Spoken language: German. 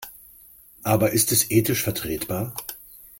Aber ist es ethisch vertretbar?